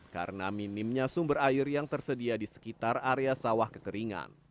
karena minimnya sumber air yang tersedia di sekitar area sawah kekeringan